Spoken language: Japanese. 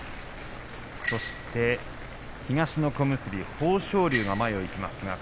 そして東の小結豊昇龍が前を行きます。